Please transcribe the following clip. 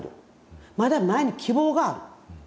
まだ前に希望がある。